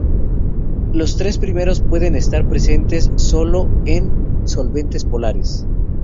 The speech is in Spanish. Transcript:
Los tres primeros pueden estar presentes sólo en solventes polares.